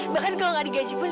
bahkan kalau gak ada gaji pun